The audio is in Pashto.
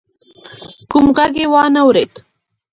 کوم غږ يې وانه ورېد.